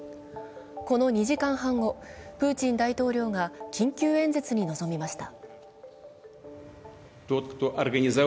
この２時間半後、プーチン大統領が緊急演説に臨みました。